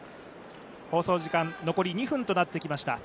放送時間、残り２分となってきました。